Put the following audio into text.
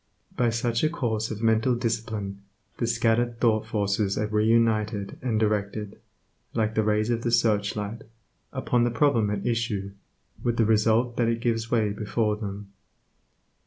By such a course of mental discipline the scattered thought forces are re united, and directed, like the rays of the search light, upon the problem at issue, with the result that it gives way before them.